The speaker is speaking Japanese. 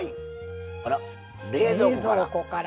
あら冷蔵庫から。